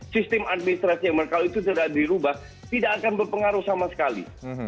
sistem administrasi yang kalau itu tidak dirubah tidak akan berpengaruh sama sekali